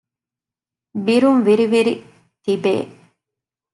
ބިރުން ވިރި ވިރި ތިބޭ